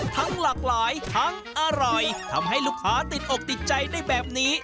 ทั้งหลากหลายทั้งอร่อยทำให้ลูกค้าติดอกติดใจได้แบบนี้